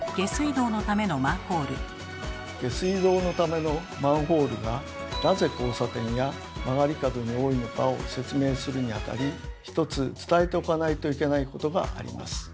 下水道のためのマンホールがなぜ交差点や曲がり角に多いのかを説明するにあたりひとつ伝えておかないといけないことがあります。